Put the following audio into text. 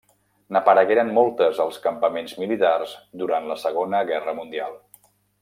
N'aparegueren moltes als campaments militars durant la Segona Guerra Mundial.